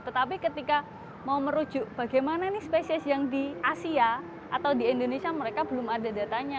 tetapi ketika mau merujuk bagaimana ini spesies yang di asia atau di indonesia mereka belum ada datanya